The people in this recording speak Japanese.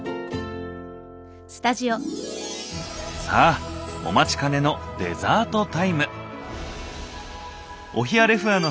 さあお待ちかねのデザートタイム。